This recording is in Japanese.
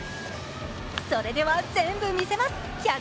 それでは、全部見せます１６０